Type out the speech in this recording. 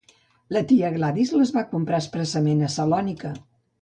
La tia Gladys les va comprar expressament a Salònica.